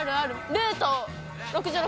ルート６６？